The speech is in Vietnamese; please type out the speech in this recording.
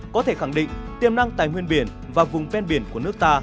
có thể khẳng định tiềm năng tài nguyên biển và vùng ven biển của nước ta